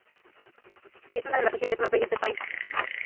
Es una de las regiones más bellas del país.